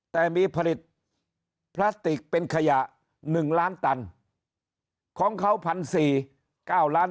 แต่มีผลิตพลาสติกเป็นขยะ๑ล้านตันของเขา๑๔๙ล้าน